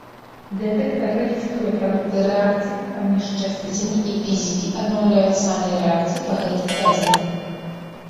Дэтэктар рэгіструе прадукты рэакцый паміж часціцамі, і фізікі аднаўляюць самі рэакцыі па гэтых дадзеных.